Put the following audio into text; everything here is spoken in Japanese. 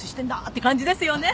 って感じですよね。